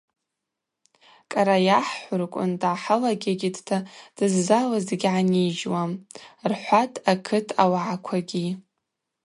Кӏара йахӏхӏвырквын дгӏахӏылагьагьитӏта дыззалыз дгьгӏанижьуам, – рхӏватӏ акыт ауагӏаквагьи.